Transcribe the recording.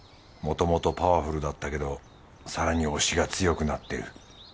もともとパワフルだったけど更に押しが強くなってる。